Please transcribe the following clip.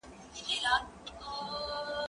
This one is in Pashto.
زه کولای سم سبزیحات جمع کړم!؟